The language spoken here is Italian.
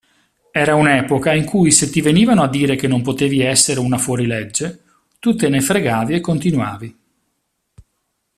Era un'epoca in cui se ti venivano a dire che non potevi essere una fuorilegge, tu te ne fregavi e continuavi.